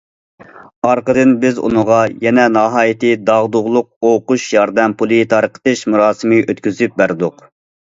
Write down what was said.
ئارقىدىن بىز ئۇنىڭغا يەنە ناھايىتى داغدۇغىلىق ئوقۇش ياردەم پۇلى تارقىتىش مۇراسىمى ئۆتكۈزۈپ بەردۇق.